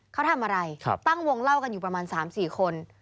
เขาทำอะไรตั้งวงเล่ากันอยู่ประมาณ๓๔คน